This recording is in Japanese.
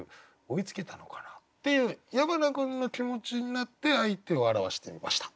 追いつけたのかなっていう矢花君の気持ちになって相手を表してみました。